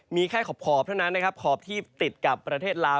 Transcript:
มีแค่ขอบเท่านั้นนะครับขอบที่ติดกับประเทศลาว